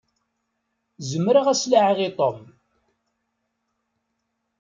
Zemreɣ ad s-laɛiɣ i Tom.